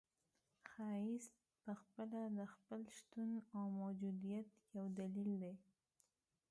ښایست پخپله د خپل شتون او موجودیت یو دلیل دی.